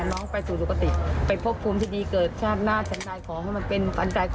แล้วจากกระแสข่าวทั่วไปที่ป้าได้เห็นเนี่ย